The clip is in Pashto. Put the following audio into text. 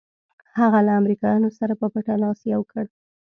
هغه له امریکایانو سره په پټه لاس یو کړ.